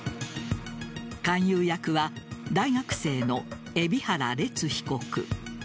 勧誘役は大学生の海老原列被告。